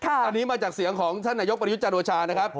อันนี้มาจากเสียงของท่านนายกประยุทธ์จันโอชานะครับ